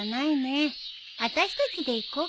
あたしたちで行こうか。